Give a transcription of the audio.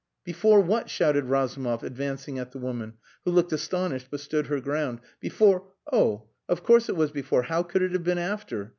"Before what?" shouted Razumov, advancing at the woman, who looked astonished but stood her ground. "Before.... Oh! Of course, it was before! How could it have been after?